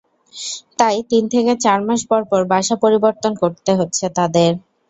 তাই তিন থেকে চার মাস পরপর বাসা পরিবর্তন করতে হচ্ছে তাদের।